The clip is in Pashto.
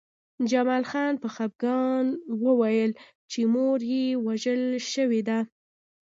جمال خان په خپګان وویل چې مور یې وژل شوې ده